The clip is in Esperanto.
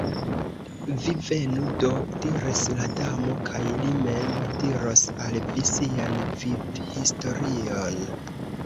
"Vi venu, do," diris la Damo, "kaj li mem diros al vi sian vivhistorion."